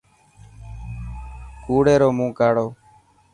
ڪوڙي رو مون ڪاڙو.